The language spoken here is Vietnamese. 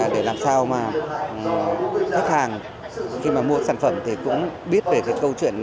để làm sao mà khách hàng khi mà mua sản phẩm thì cũng biết về cái câu chuyện